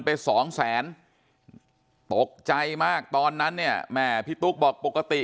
ไป๒๐๐๐๐๐ตกใจมากตอนนั้นเนี่ยพี่ตุ๊กบอกปกติ